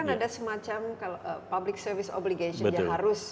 kan ada semacam public service obligation yang harus